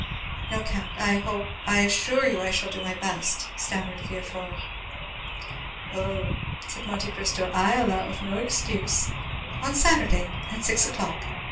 "No, count,—I hope—I assure you I shall do my best," stammered Villefort. "Oh," said Monte Cristo, "I allow of no excuse. On Saturday, at six o'clock.